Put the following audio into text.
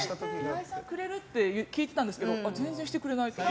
岩井さんがくれるって聞いてたんですけど全然してくれない。